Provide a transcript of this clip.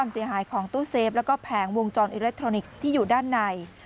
เสียหายของตู้เซฟแล้วก็แผงวงจรอิเล็กทรอนิกส์ที่อยู่ด้านใน